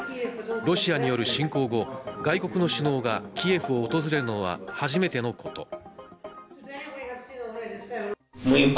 ロシアによる侵攻後、外国の首脳がキエフを訪れるのは初めてのこと。